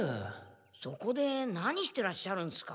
そこで何していらっしゃるんですか？